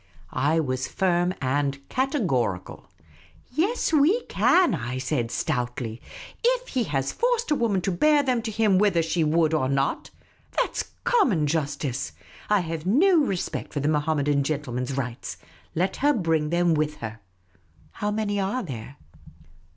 I was firm, and categorical. " Yes, we can," I said, stoutly ;" if he has forced a woman to bear them to him whether she would or not. That 's common justice. I have no respect for the Mohammedan gentleman's rights. Let her l)ring them with her. How many are there